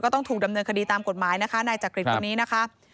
ต้องถูกดำเนินคดีตามกฎหมายนะคะนายจักริตคนนี้นะคะ